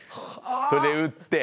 それで打って。